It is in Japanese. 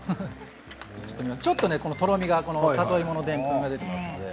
ちょっととろみが里芋のでんぷんが出ていますので。